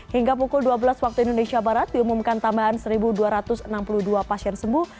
hingga pukul dua belas waktu indonesia barat diumumkan tambahan satu dua ratus enam puluh dua pasien sembuh